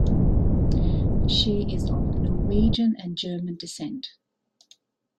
She is of Norwegian and German descent.